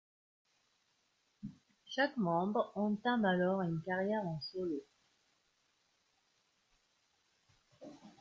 Chaque membre entame alors une carrière en solo.